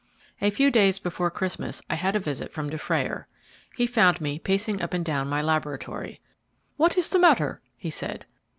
A few days before Christmas I had a visit from Dufrayer. He found me pacing up and down my laboratory. "What is the matter?" he said.